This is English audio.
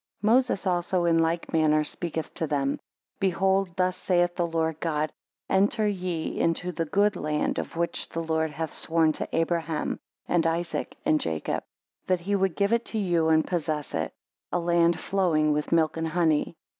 8 Moses also in like manner speaketh to them; Behold thus saith the Lord God; Enter ye into the good land of which the Lord hath sworn to Abraham, and Isaac, and Jacob, that he would give it you, and possess it; a land flowing with milk and honey.